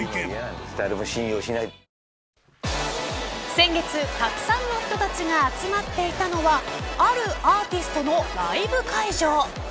先月たくさんの人たちが集まっていたのはあるアーティストのライブ会場。